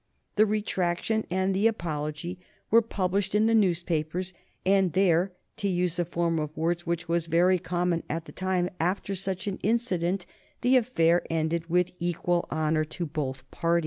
The retraction and the apology were published in the newspapers, and there, to use a form of words which was very common at the time after such an incident, the affair ended with equal honor to both parties.